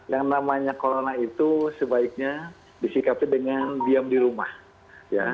yang namanya corona itu sebaiknya disikapi dengan diam di rumah ya